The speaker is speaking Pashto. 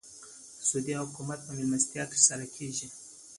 د سعودي حکومت په مېلمستیا تر سره کېږي.